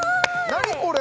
何これ？